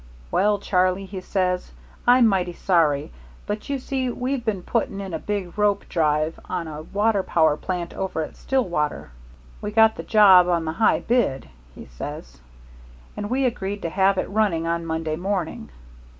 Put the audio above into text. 'Well, Charlie,' he says, 'I'm mighty sorry, but you see we've been putting in a big rope drive on a water power plant over at Stillwater. We got the job on the high bid,' he says, 'and we agreed to have it running on Monday morning.